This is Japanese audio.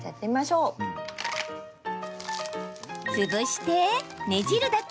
潰して、ねじるだけ。